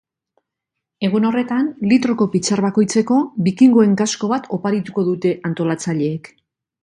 Egun horretan, litroko pitxar bakoitzeko bikingoen kasko bat oparituko dute antolatzaileek.